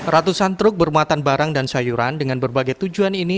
ratusan truk bermuatan barang dan sayuran dengan berbagai tujuan ini